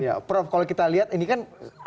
ya prof kalau kita lihat ini kan ada risiko